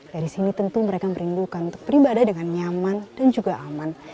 dari sini tentu mereka merindukan untuk beribadah dengan nyaman dan juga aman